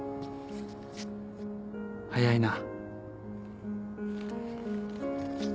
早いな。